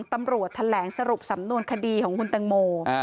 ตำรวจแถลงสรุปสำนวนคดีของคุณตังโม